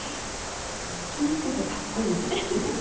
とにかくかっこいいです。